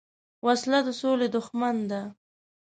وسله د سولې دښمن ده